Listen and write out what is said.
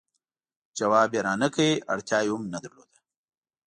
ځواب یې را نه کړ، اړتیا یې هم نه درلوده.